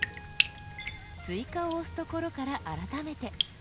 「追加」を押すところから改めて。